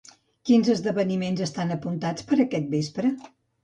Quins esdeveniments estan apuntats per aquest vespre?